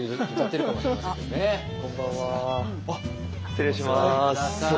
失礼します。